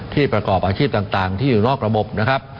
ในประกอบอาชีพต่างที่อยู่นอกของประบบ